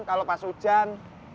kalau pas hujan